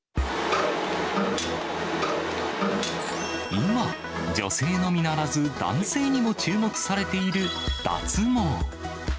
今、女性のみならず男性にも注目されている脱毛。